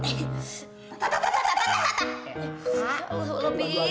tak tak tak tak